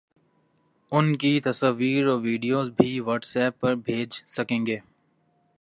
اُن کی تصاویر اور ویڈیوز بھی واٹس ایپ پر بھیج سکیں گے